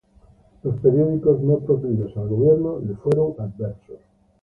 Los periódicos no proclives al gobierno le fueron adversos.